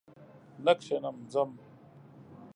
نه کښېنم ځم!